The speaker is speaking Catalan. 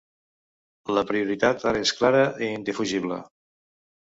La prioritat ara és clara i indefugible.